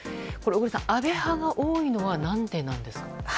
小栗さん安倍派が多いのは何でなんですか？